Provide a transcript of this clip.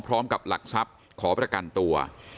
พร้อมกับหลักทรัพย์ขอประกันตัว